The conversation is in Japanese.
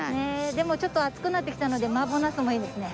でもちょっと暑くなってきたので麻婆茄子もいいですね。